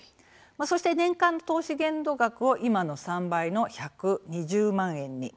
そして、年間の投資限度額を今の３倍の１２０万円に。